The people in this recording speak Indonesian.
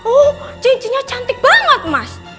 oh cincinnya cantik banget mas